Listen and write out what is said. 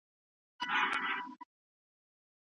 د دې شتمنۍ ساتل دي.